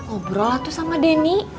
obrol tuh sama denny